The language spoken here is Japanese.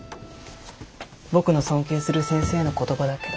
僕の尊敬する先生の言葉だけど。